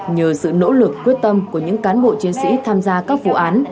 nhờ sự nỗ lực quyết tâm của những cán bộ chiến sĩ tham gia các vụ án